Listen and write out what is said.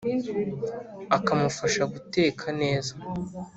aka mufasha guteka neza